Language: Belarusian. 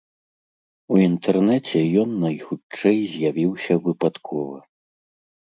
У інтэрнэце ён найхутчэй з'явіўся выпадкова.